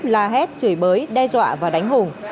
la hét chửi bới đe dọa và đánh hùng